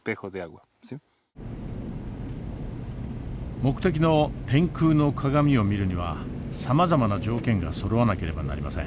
目的の天空の鏡を見るにはさまざまな条件がそろわなければなりません。